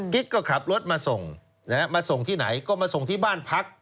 ก็ขับรถมาส่งมาส่งที่ไหนก็มาส่งที่บ้านพัก